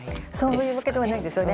そういうわけではないんです。